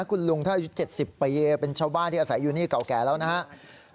คุณลุงถ้ายุด๗๐เป็นชาวบ้านที่อาศัยอยู่กันแก่แล้วนะครับ